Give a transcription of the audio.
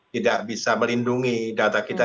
tidak bisa melindungi data kita